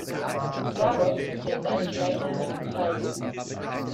Vagos ist Sitz eines gleichnamigen Kreises.